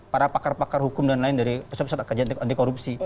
para pakar pakar hukum dan lain dari pusat pusat antikorupsi